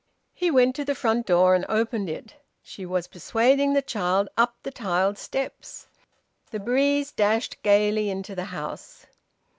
He went to the front door and opened it. She was persuading the child up the tiled steps. The breeze dashed gaily into the house.